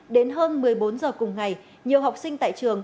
đến hơn một mươi bốn giờ cùng ngày nhiều học sinh tại trường